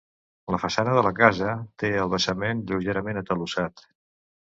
La façana de la casa té el basament lleugerament atalussat.